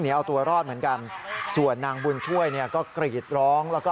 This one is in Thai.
เออเอาลุงเล่าทับท่าทับทางเอาใส้ลุงลุง